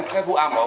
cái khu a một